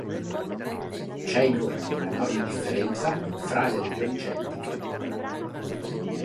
C'è inoltre un enorme differenza fra le regioni "celtiche".